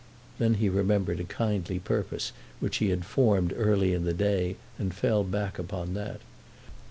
Then he remembered a kindly purpose which he had formed early in the day, and fell back upon that.